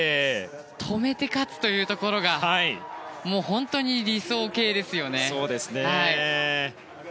止めて勝つというところが本当に理想形ですよね。